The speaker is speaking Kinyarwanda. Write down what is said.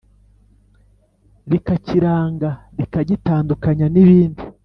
rikakiranga, rikagitandukanya ni bindi